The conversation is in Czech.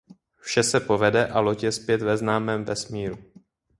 Vše se povede a loď je zpět ve známém vesmíru.